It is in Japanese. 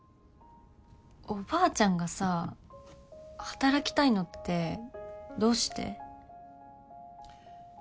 おばあちゃんがさ働きたいのってどうして？